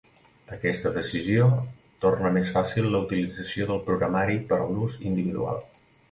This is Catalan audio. Aquesta decisió torna més fàcil la utilització del programari per a l'ús individual.